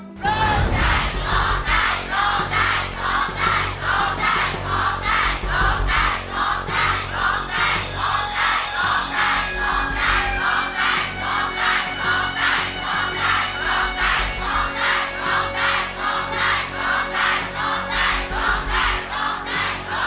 ร้องได้โรงได้โรคใจ